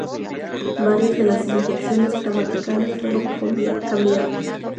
Varias de las inflexiones gramaticales fueron cambiados.